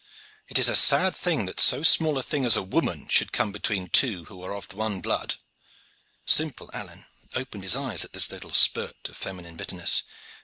It is a sad thing that so small a thing as a woman should come between two who are of one blood." Simple Alleyne opened his eyes at this little spurt of feminine bitterness.